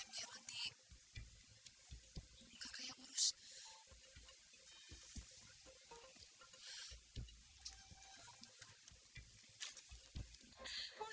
biar adik kakak yang urus